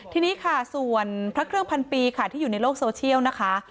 ทีนี้ค่ะส่วนพระเครื่องพันปีค่ะที่อยู่ในโลกโซเชียลนะคะ